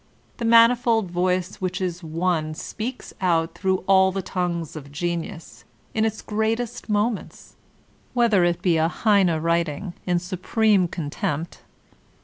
The manifold voice which is one speaks out through all the tongues of genius in its greatest moments, whether it be a Heine writing, in supreme contempt.